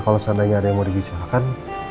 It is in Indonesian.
kalau seandainya ada yang mau dibicarakan